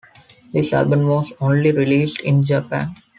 This album was only released in Japan.